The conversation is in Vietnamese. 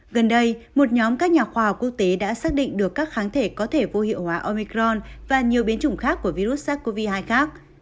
gần đây một nhóm các nhà khoa học quốc tế đã xác định được các kháng thể có thể vô hiệu hóa omicron và nhiều biến chủng khác của virus sars cov hai khác